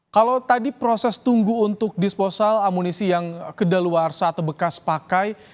kalau tadi proses tunggu untuk disposal amunisi yang kedaluarsa atau bekas pakai